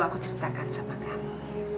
aku ceritakan sama kamu